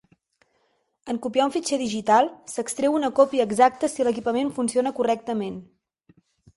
En copiar un fitxer digital, s'extreu una còpia exacta si l'equipament funciona correctament.